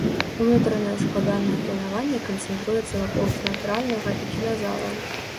Унутранае складанае планаванне канцэнтруецца вакол тэатральнага і кіназалаў.